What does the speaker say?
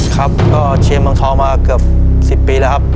ครับก็เชียงบังท้องมาเกือบสิบปีแล้วครับ